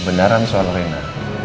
sebenaran soal rena